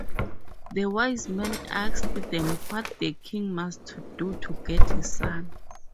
The wise man asked them what the king must do to get a son.